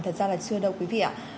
thật ra là chưa đâu quý vị ạ